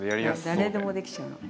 誰でもできちゃうの。